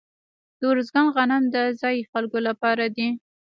د ارزګان غنم د ځايي خلکو لپاره دي.